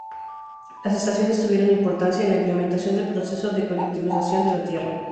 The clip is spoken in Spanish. Las estaciones tuvieron importancia en la implementación del proceso de colectivización de la tierra.